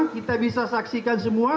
kita bisa saksikan semua